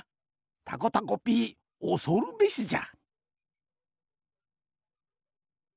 たこたこピーおそるべしじゃ。